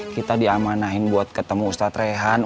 kita diamanahin buat ketemu ustadz rehan